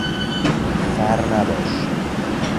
خر نباش!